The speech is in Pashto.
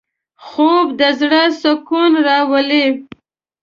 خوب د زړه سکون راولي